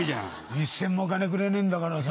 一銭も金くれねえんだからさ。